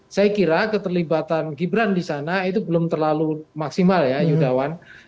saya kira keterlibatan gibran di sana itu belum terlalu maksimal ya yudawan